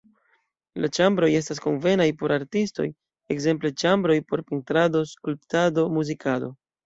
La ĉambroj estas konvenaj por artistoj, ekzemple ĉambroj por pentrado, skulptado, muzikado.